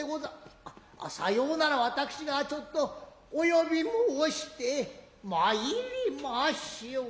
左様なら私がちょっとお呼び申して参りましょう。